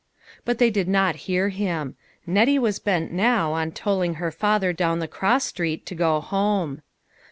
But they did not hear him. Nettie was bent now on tolling her father down the cross street to go home.